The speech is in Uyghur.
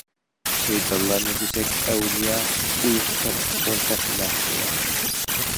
شەيتانلارنى دېسەك ئەۋلىيا، ئۇيقۇ تاتلىق بولساق مەھلىيا.